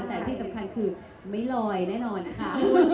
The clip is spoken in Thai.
แต่ที่สำคัญคือไม่ลอยแน่นอนค่ะ